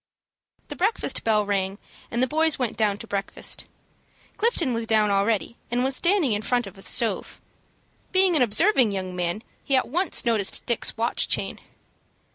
The breakfast bell rang, and the boys went down to breakfast. Clifton was down already, and was standing in front of stove. Being an observing young man he at once noticed Dick's watch chain.